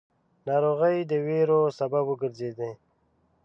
ناروغۍ د وېرو سبب وګرځېدې.